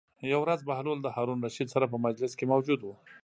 یوه ورځ بهلول د هارون الرشید سره په مجلس کې موجود و.